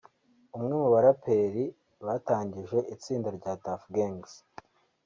umwe mu baraperi batangije itsinda rya Tuff Gangs